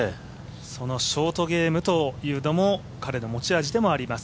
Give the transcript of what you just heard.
そのショートゲームというのも彼の持ち味ではあります。